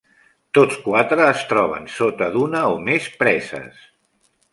Tots quatre es troben sota d"una o més preses.